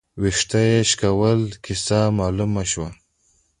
، وېښته يې شکول، کيسه مالومه شوه